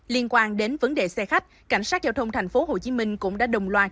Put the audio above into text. liên quan đến vấn đề xe khách cảnh sát giao thông tp hcm cũng đã đồng loạt